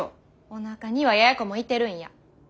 おなかにはややこもいてるんや。